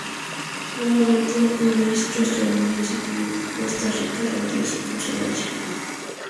Nuevamente, el ministro estadounidense pidió que Costa Rica rompiese con Zelaya.